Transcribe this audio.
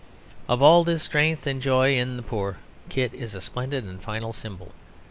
Of all this strength and joy in the poor, Kit is a splendid and final symbol.